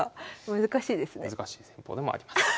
難しい戦法でもあります。